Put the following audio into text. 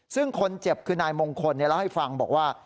ซึ่งคนเจ็บคือนายมงคลเล่าให้ฟังบอกว่า